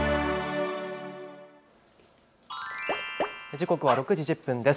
時刻は６時１０分です。